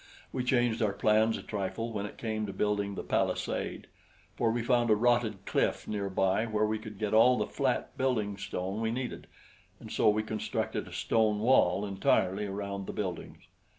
We changed our plans a trifle when it came to building the palisade, for we found a rotted cliff near by where we could get all the flat building stone we needed, and so we constructed a stone wall entirely around the buildings.